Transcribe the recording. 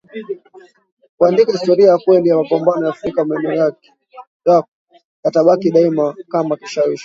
kuandika historia ya kweli ya mapambano ya Afrika maneno yako yatabaki daima kama kishawishi